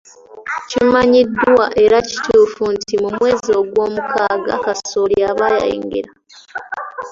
Kimanyiddwa era kituufu nti ,mu mwezi ogwomukaaga kasooli aba ayengera.